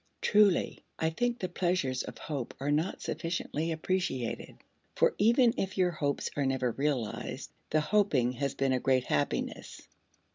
Truly I think the pleasures of hope are not sufficiently appreciated, for even if your hopes are never realised the hoping has been a great happiness.